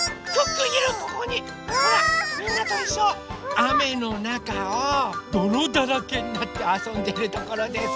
あめのなかをどろだらけになってあそんでるところです。